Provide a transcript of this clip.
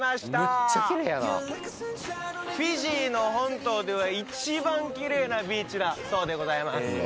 めっちゃきれいやなフィジーの本島では一番きれいなビーチだそうでございます